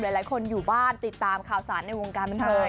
หลายคนอยู่บ้านติดตามข่าวสารในวงการบันเทิง